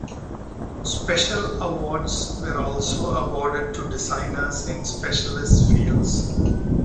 Special Awards were also awarded to designers in specialist fields.